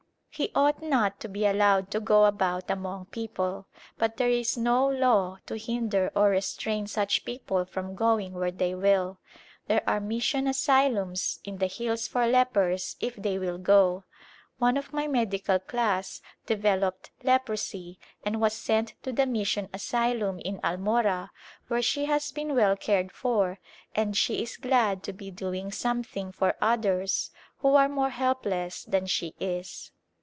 He ought not to be allowed to go about among people, but there is no law to hinder or restrain such people from going where they will. There are mission asylums in the hills for lepers if they will go. One of my ['37] A Glimpse of India medical class developed leprosy and was sent to the mission asylum in Almorah where she has been well cared for and she is glad to be doing something for others who are more helpless than she is.